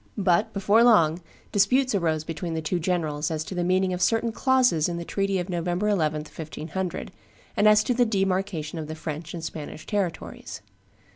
But, before long, disputes arose between the two generals as to the meaning of certain clauses in the treaty of November 11, 1500, and as to the demarcation of the French and the Spanish territories.